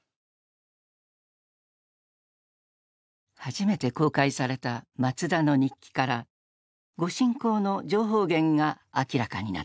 初めて公開された松田の日記から御進講の情報源が明らかになった。